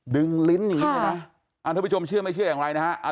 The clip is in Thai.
ดึงลิ้นอย่างนี้ใช่ไหมครับอันทุกผู้ชมเชื่อไม่เชื่ออย่างไรนะครับ